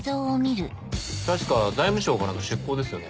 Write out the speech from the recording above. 確か財務省からの出向ですよね。